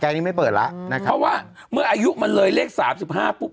อันนี้ไม่เปิดแล้วนะครับเพราะว่าเมื่ออายุมันเลยเลขสามสิบห้าปุ๊บ